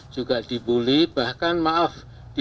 juga dibully bahkan maaf